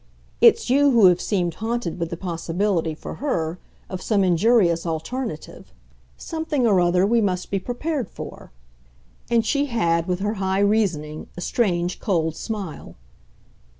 It's you who have seemed haunted with the possibility, for her, of some injurious alternative, something or other we must be prepared for." And she had, with her high reasoning, a strange cold smile.